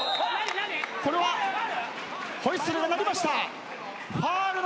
これはホイッスルが鳴りました。